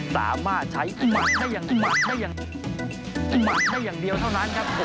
สามารถใช้อิมัติได้อย่างเดียวเท่านั้นครับ